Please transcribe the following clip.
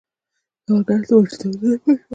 سوالګر ته ماشومتوب نه دی پاتې شوی